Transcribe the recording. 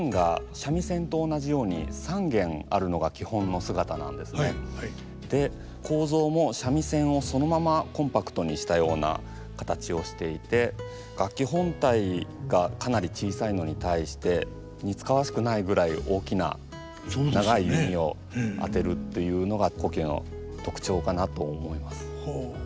よく間違えられやすいんですが構造も三味線をそのままコンパクトにしたような形をしていて楽器本体がかなり小さいのに対して似つかわしくないぐらい大きな長い弓を当てるというのが胡弓の特徴かなと思います。